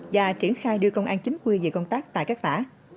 và triển khai đưa công an chính quyền về công tác tại các tả